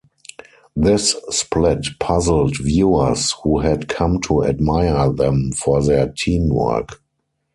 This split puzzled viewers, who had come to admire them for their teamwork.